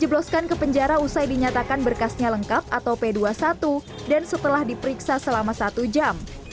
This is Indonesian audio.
dijebloskan ke penjara usai dinyatakan berkasnya lengkap atau p dua puluh satu dan setelah diperiksa selama satu jam